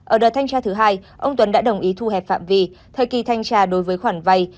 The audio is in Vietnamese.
ở đợt thanh tra thứ hai ông tuấn đã đồng ý thu hẹp phạm vi thời kỳ thanh tra đối với khoản vay